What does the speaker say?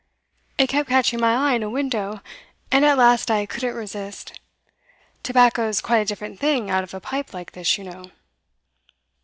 'It kept catching my eye in a window, and at last I couldn't resist. Tobacco's quite a different thing out of a pipe like this, you know.